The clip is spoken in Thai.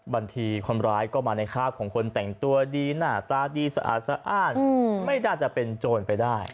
บางทีคนร้ายก็มาในคาบของคนแต่งตัวดีหน้าตาดีสะอาดสะอ้านไม่น่าจะเป็นโจรไปได้